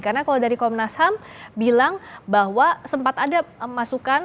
karena kalau dari komnas ham bilang bahwa sempat ada masukan